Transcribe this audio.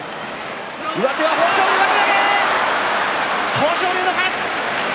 豊昇龍の勝ち。